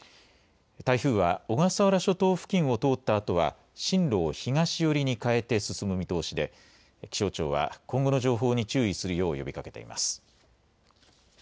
台風は小笠原諸島付近を通ったあとは進路を東寄りに変えて進む見通しで気象庁は今後の情報に注意するよう呼びかけています。